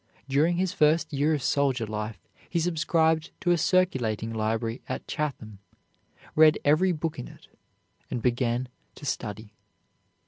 During his first year of soldier life he subscribed to a circulating library at Chatham, read every book in it, and began to study.